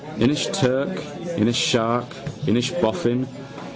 Inishturk. Inishark. Inishboffin.